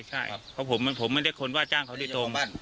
ใช่ผมไม่ได้ความว่าจ้างเขาด้วยตรง